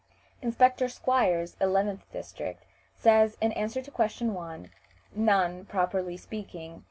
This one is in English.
Inspector Squires, 11th district, says, in answer to question 1: "None, properly speaking.